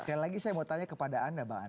sekali lagi saya mau tanya kepada anda bang